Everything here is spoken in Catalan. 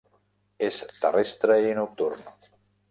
És terrestre i nocturn.